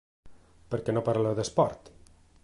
Per què no parleu d’esport?